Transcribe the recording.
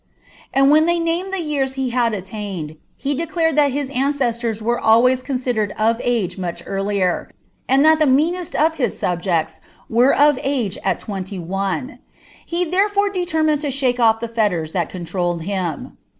And when they named the years he had attained, he declared thai his Wic^siors were always considered of age much earlier, and lliat iba Mwauest of his subjects were of age at twenty one ; he therefoie deteiw minml to shake off the fetters that controlled him.